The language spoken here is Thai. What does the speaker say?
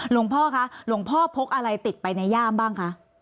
หลวงพ่อคะหลวงพ่อพกอะไรติดไปในย่ามบ้างคะ